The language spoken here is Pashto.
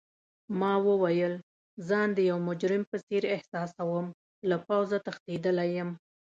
ما وویل: ځان د یو مجرم په څېر احساسوم، له پوځه تښتیدلی یم.